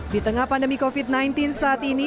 di tengah pandemi covid sembilan belas saat ini